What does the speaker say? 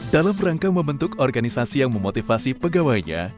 dalam rangka membentuk organisasi yang memotivasi pegawainya